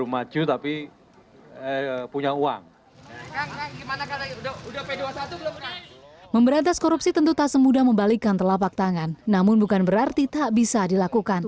memberantas korupsi tentu tak semudah membalikan telapak tangan namun bukan berarti tak bisa dilakukan